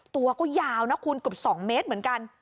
ตัวก็ยาวนะคุณเกือบ๒เมตรเหมือนกัน